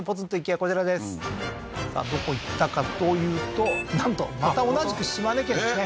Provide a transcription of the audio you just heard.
こちらですさあどこ行ったかというとなんとまた同じく島根県ですね